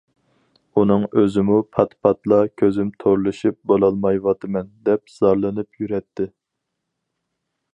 ئۇنىڭ ئۆزىمۇ پات- پاتلا» كۆزۈم تورلىشىپ بولالمايۋاتىمەن« دەپ زارلىنىپ يۈرەتتى.